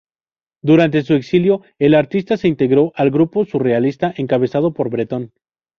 Durante su exilio el artista se integró al grupo surrealista, encabezado por Bretón.